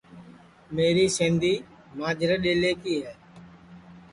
میری سیندی ماجرے ڈؔیلیں کی ہے